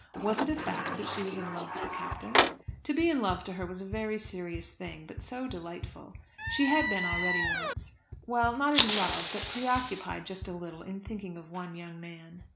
Was it a fact that she was in love with the Captain? To be in love to her was a very serious thing, but so delightful. She had been already once, well, not in love, but preoccupied just a little in thinking of one young man.